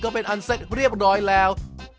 เป็นอันเสร็จเรียบร้อยแล้ว